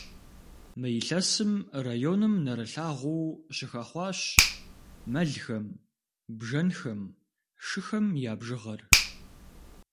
Мы илъэсым районым нэрылъагъуу щыхэхъуащ мэлхэм, бжэнхэм, шыхэм я бжыгъэр.